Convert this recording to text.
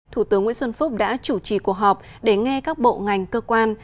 thủ tướng nguyễn xuân phúc đã chủ trì cuộc họp để nghe các bộ ngành cơ quan